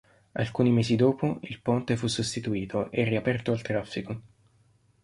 Alcuni mesi dopo il ponte fu sostituito e riaperto al traffico.